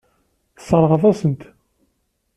Tesseṛɣeḍ-as-tent.